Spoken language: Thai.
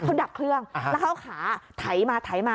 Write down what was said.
เขาดับเครื่องแล้วเขาเอาขาไถมาไถมา